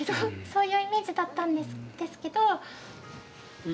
そういうイメージだったんですけど。